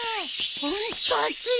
ホント暑いよね。